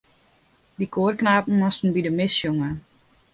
Dy koarknapen moasten by de mis sjonge.